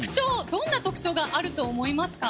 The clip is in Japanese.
どんな特徴があると思いますか？